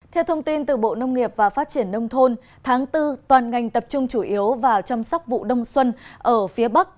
theo thông tin từ bộ nông nghiệp và phát triển nông thôn tháng bốn toàn ngành tập trung chủ yếu vào chăm sóc vụ đông xuân ở phía bắc